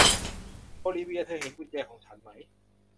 โอลิเวียร์ เธอเห็นกุญแจของฉันไหม